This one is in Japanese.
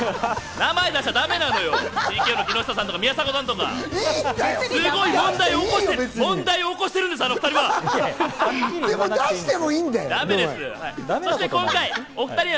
名前出したらだめなのよ、ＴＫＯの木下さんとか宮迫さんとか、問題起こしてるんです、あの２人は！